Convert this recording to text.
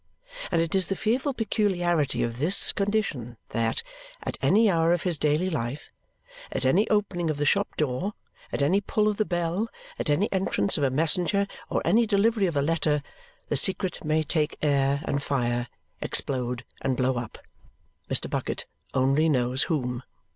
And it is the fearful peculiarity of this condition that, at any hour of his daily life, at any opening of the shop door, at any pull of the bell, at any entrance of a messenger, or any delivery of a letter, the secret may take air and fire, explode, and blow up Mr. Bucket only knows whom.